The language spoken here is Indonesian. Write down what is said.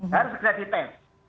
harus segera dites